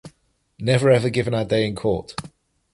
Never even given our day in Court!